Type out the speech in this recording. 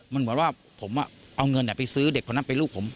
มันเหมือนว่าผมเอาเงินไปซื้อเด็กคนนั้นเป็นลูกผม